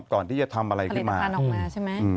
ก่อนที่จะทำอะไรขึ้นมาผลิตภัณฑ์ออกมาใช่ไหม